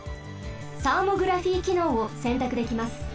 サーモグラフィーきのうをせんたくできます。